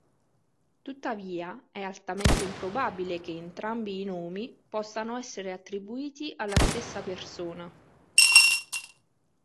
Tuttavia, è altamente improbabile che entrambi i nomi possano essere attribuiti alla stessa persona.